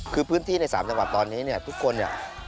คือพื้นที่ใน๓จังหวัดตอนนี้ทุกคน